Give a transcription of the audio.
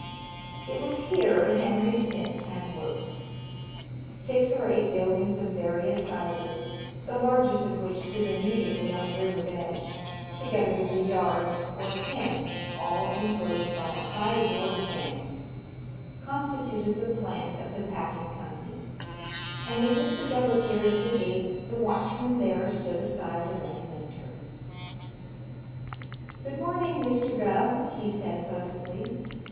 It was here Henry Smitz had worked. Six or eight buildings of various sizes, the largest of which stood immediately on the river's edge, together with the "yards" or pens, all enclosed by a high board fence, constituted the plant of the packing company, and as Mr. Gubb appeared at the gate the watchman there stood aside to let him enter. "Good morning, Mr. Gubb," he said pleasantly.